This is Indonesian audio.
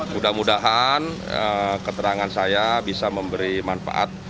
mudah mudahan keterangan saya bisa memberi manfaat